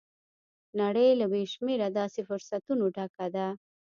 نړۍ له بې شمېره داسې فرصتونو ډکه ده.